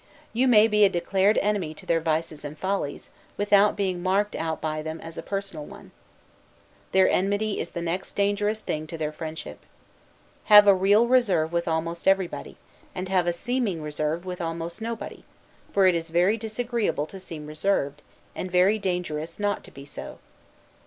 You may be a declared enemy to their vices and follies, without being marked out by them as a personal one. Their enmity is the next dangerous thing to their friendship. Have a real reserve with almost everybody; and have a seeming reserve with almost nobody; for it is very disagreeable to seem reserved, and very dangerous not to be so.